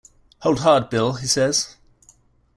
“Hold hard, Bill,” he says.